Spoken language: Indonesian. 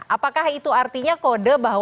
apakah itu artinya